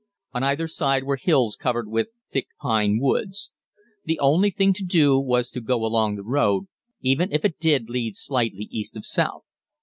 On either side were hills covered with thick pine woods. The only thing to do was to go along the road, even if it did lead slightly east of south.